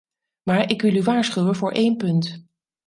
Maar ik wil u waarschuwen voor één punt.